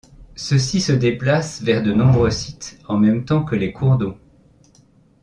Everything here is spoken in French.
Ceux-ci se déplacent vers de nouveaux sites en même temps que les cours d’eau.